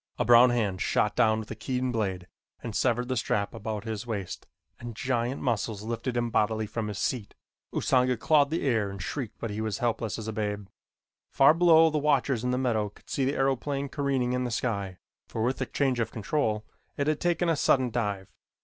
A brown hand shot down with a keen blade and severed the strap about his waist and giant muscles lifted him bodily from his seat. Usanga clawed the air and shrieked but he was helpless as a babe. Far below the watchers in the meadow could see the aeroplane careening in the sky, for with the change of control it had taken a sudden dive.